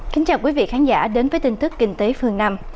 kính chào quý vị khán giả đến với tin tức kinh tế phương nam